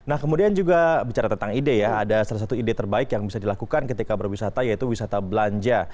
nah kemudian juga bicara tentang ide ya ada salah satu ide terbaik yang bisa dilakukan ketika berwisata yaitu wisata belanja